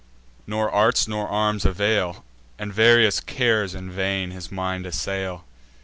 Nor arts nor arms avail; And various cares in vain his mind assail.